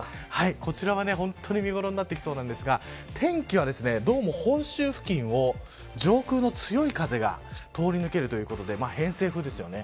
こちらは本当に見頃になってきそうなんですが天気は、どうも本州付近を上空の強い風が通り抜けるということで偏西風ですよね。